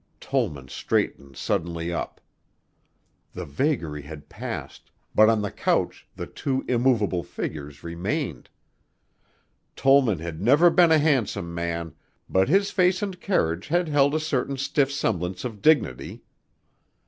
Tollman straightened suddenly up. The vagary had passed but on the couch the two immovable figures remained. Tollman had never been a handsome man, but his face and carriage had held a certain stiff semblance of dignity.